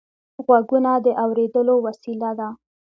غوږونه د اورېدلو وسیله ده